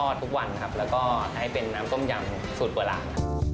ทอดทุกวันนะครับแล้วก็ให้เป็นน้ำก้มยำสูตรกว่าหลาน